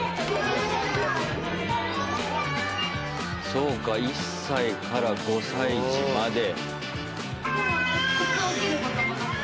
そうか１歳から５歳児まで。